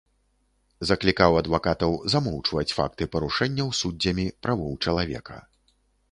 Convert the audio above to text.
Заклікаў адвакатаў замоўчваць факты парушэнняў суддзямі правоў чалавека.